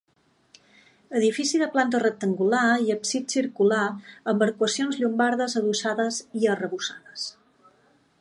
Edifici de planta rectangular i absis circular amb arcuacions llombardes adossades i arrebossades.